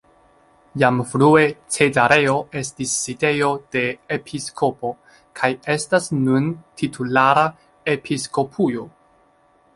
Jam frue Cezareo estis sidejo de episkopo, kaj estas nun titulara episkopujo.